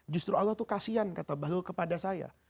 justru allah itu kasihan kata bahlul kepada saya